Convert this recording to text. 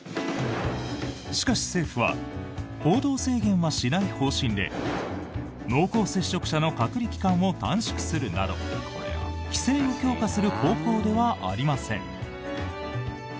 しかし、政府は行動制限はしない方針で濃厚接触者の隔離期間を短縮するなど規制を強化する方向ではありません。